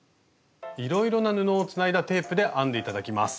いろいろな布をつないだテープで編んで頂きます。